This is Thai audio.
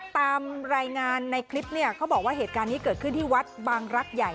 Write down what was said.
ตามรายงานในคลิปเนี่ยเขาบอกว่าเหตุการณ์นี้เกิดขึ้นที่วัดบางรักใหญ่